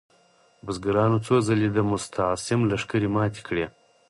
بزګرانو څو ځلې د مستعصم لښکرې ماتې کړې.